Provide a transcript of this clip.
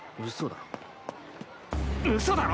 嘘だろ！